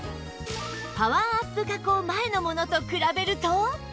パワーアップ加工前のものと比べると